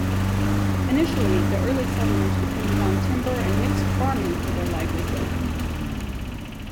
Initially, the early settlers depended on timber and mixed farming for their livelihood.